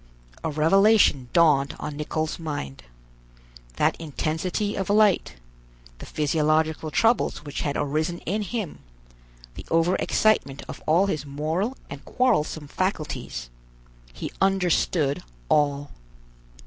A revelation dawned on Nicholl's mind. That intensity of light, the physiological troubles which had arisen in him, the overexcitement of all his moral and quarrelsome faculties—he understood all.